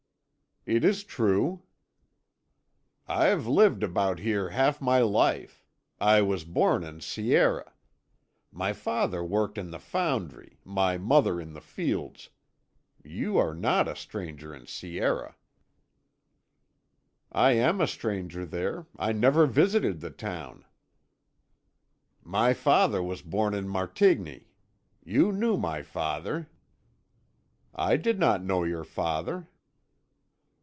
"It is true." "I've lived about here half my life. I was born in Sierre. My father worked in the foundry, my mother in the fields. You are not a stranger in Sierre." "I am a stranger there; I never visited the town." "My father was born in Martigny. You knew my father." "I did not know your father."